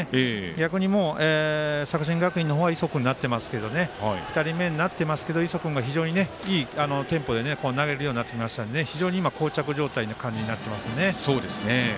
逆に、作新学院の方は磯君になってきていますけど２人目になっていますけど非常にいいテンポで投げるようになってきましたので非常にこう着状態の感じになっていますね。